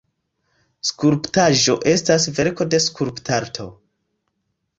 Skulptaĵo estas verko de skulptarto.